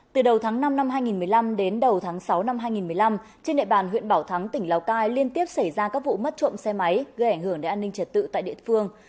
từ đầu tháng năm năm hai nghìn một mươi năm đến đầu tháng sáu năm hai nghìn một mươi năm trên địa bàn huyện bảo thắng tỉnh lào cai liên tiếp xảy ra các vụ mất trộm xe máy gây ảnh hưởng đến an ninh trật tự tại địa phương